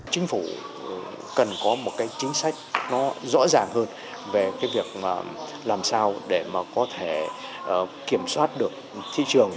chính phủ cần có một chính sách rõ ràng hơn về việc làm sao để có thể kiểm soát được thị trường